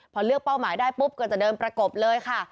พอเลือกเป้าหมายได้ปุ๊บก็จะเดินประกบเลยค่ะ